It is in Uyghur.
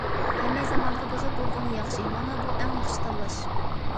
ھەممە زامانغا بېقىپ بولغىنى ياخشى، مانا بۇ ئەڭ ياخشى تاللاش.